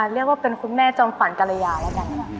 เรียกว่าเป็นคุณแม่จงฝันกรยายนะครับ